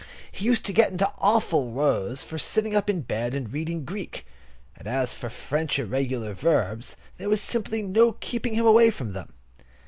He used to get into awful rows for sitting up in bed and reading Greek; and as for French irregular verbs there was simply no keeping him away from them.